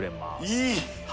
いい！